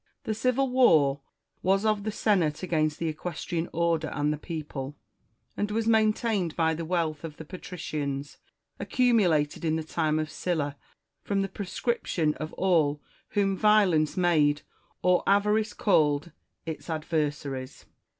The civil war was of the Senate against the Equestrian Order and the people, and was maintained by the wealth of the patricians, accumulated in the time of Sylla, from the proscription of all whom vio lence made, or avarice called, its adversaries.